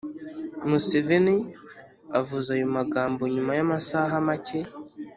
museveni avuze ayo magambo nyuma y’amasaha make